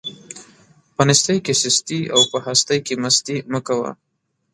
په نيستۍ کې سستي او په هستۍ کې مستي مه کوه.